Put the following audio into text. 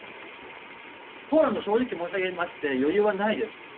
ポーランド、正直申し上げまして、余裕はないです。